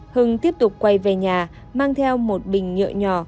hưng tiếp tục quay về nhà mang theo một bình nhựa nhỏ